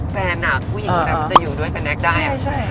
แฟนอะผู้หญิงอะก็จะอยู่ด้วยกับแน็กซ์ได้